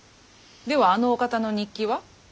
ではあのお方の日記は？